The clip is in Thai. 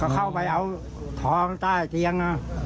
เข้าไปเอาทองใต้เตียง